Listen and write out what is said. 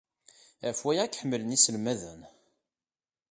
Ɣef waya ay k-ḥemmlen yiselmaden.